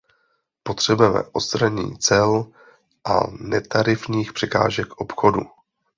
Potřebujeme odstranění cel a netarifních překážek obchodu.